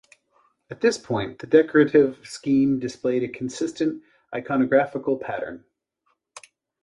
At this point, the decorative scheme displayed a consistent iconographical pattern.